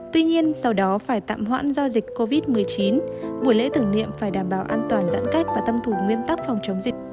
tuy nhiên sau đó phải tạm hoãn do dịch covid một mươi chín buổi lễ tưởng niệm phải đảm bảo an toàn giãn cách và tâm thủ nguyên tắc phòng chống dịch